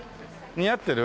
似合ってる。